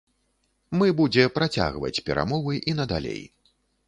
Мы будзе працягваць перамовы і надалей.